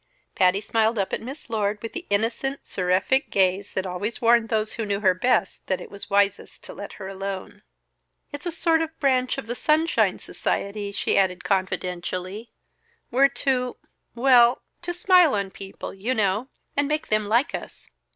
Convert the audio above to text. Patty smiled up at Miss Lord with the innocent, seraphic gaze that always warned those who knew her best that is was wisest to let her alone. "It's a sort of branch of the Sunshine Society," she added confidentially. "We're to well to smile on people, you know, and make them like us."